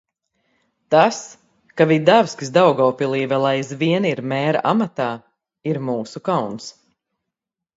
Tas, ka Vidavskis Daugavpilī vēl aizvien ir mēra amatā, ir mūsu kauns.